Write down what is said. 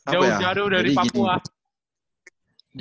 jauh jauh dari papua